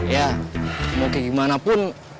ya mau kayak gimana pun